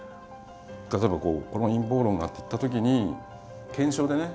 例えば「この陰謀論が」っていったときに検証でね